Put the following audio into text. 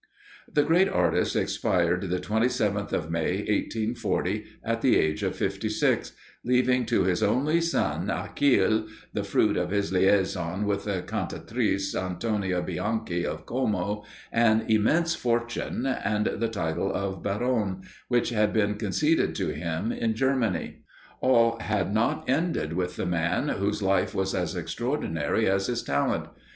The great artist expired the 27th of May, 1840, at the age of 56, leaving to his only son, Achille the fruit of his liaison with the cantatrice, Antonia Bianchi, of Como an immense fortune, and the title of Baron, which had been conceded to him in Germany. All had not ended with the man whose life was as extraordinary as his talent.